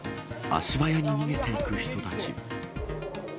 足早に逃げていく人たち。